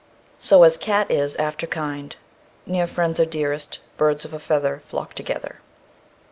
So as cat is after kind. Near friends are dearest. Birds of a feather flock together.